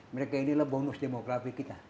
mereka inilah bonus demografi kita